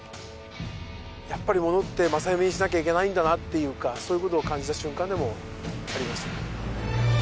やっぱりものって正夢にしなきゃいけないんだなっていうかそういう事を感じた瞬間でもありました。